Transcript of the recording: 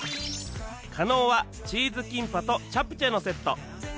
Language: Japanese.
加納はチーズキンパとチャプチェのセット